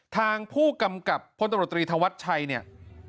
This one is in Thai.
ทางผู้กำกับผลตำรวจตรีธวัฒน์ชัย